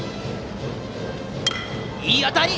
いい当たり！